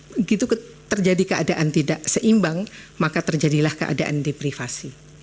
begitu terjadi keadaan tidak seimbang maka terjadilah keadaan deprivasi